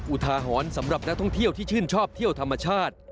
อุทาหรณ์สำหรับนักท่องเที่ยวที่ชื่นชอบเที่ยวธรรมชาติ